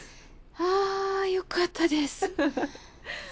ああよかったです。